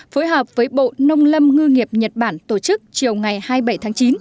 phối hợp với bộ nông lâm ngư nghiệp nhật bản tổ chức chiều ngày hai mươi bảy tháng chín